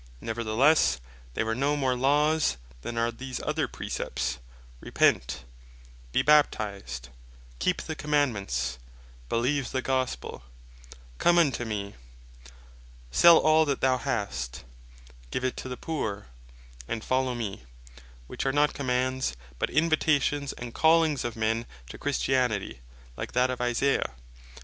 Neverthelesse, they were no more Laws than are these other Precepts, "Repent, Be Baptized; Keep the Commandements; Beleeve the Gospel; Come unto me; Sell all that thou hast; Give it to the poor;" and "Follow me;" which are not Commands, but Invitations, and Callings of men to Christianity, like that of Esay 55.